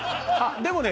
でもね